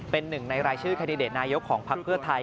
เป็นหนึ่งในรายชื่อแคนดิเดตนายกของพักเพื่อไทย